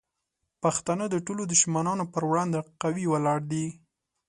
پښتانه د ټولو دشمنانو پر وړاندې قوي ولاړ دي.